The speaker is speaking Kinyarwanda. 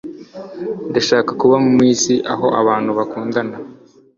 Ndashaka kuba mw'isi aho abantu bakundana.